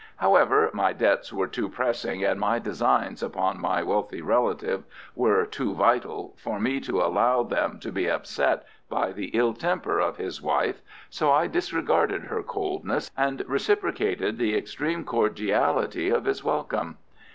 However, my debts were too pressing and my designs upon my wealthy relative were too vital for me to allow them to be upset by the ill temper of his wife, so I disregarded her coldness and reciprocated the extreme cordiality of his welcome.